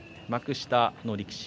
幕下の力士